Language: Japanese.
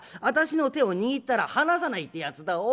私の手を握ったら離さないってやつだ。